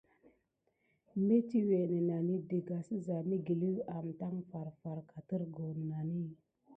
Mitiwé nenani dəga səza migueliw amtaŋ farfar, katerguh nənani.